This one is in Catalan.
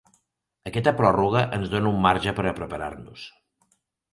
Aquesta pròrroga ens dona un marge per a preparar-nos.